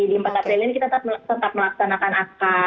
di empat april ini kita tetap melaksanakan akar